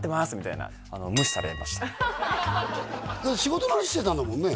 されました仕事の話してたんだもんね？